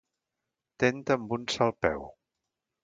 Ten-te amb un sol peu.